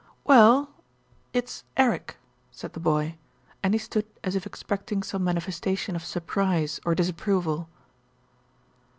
"Well, it's Eric," said the boy, and he stood as if expecting some manifestation of surprise or disap proval.